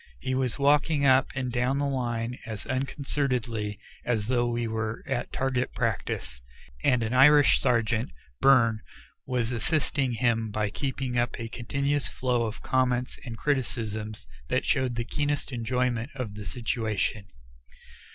He was walking up and down the line as unconcernedly as though we were at target practice, and an Irish sergeant, Byrne, was assisting him by keeping up a continuous flow of comments and criticisms that showed the keenest enjoyment of the situation.